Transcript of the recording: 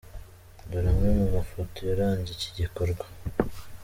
Dore amwe mu mafoto yaranze iki gikorwa:.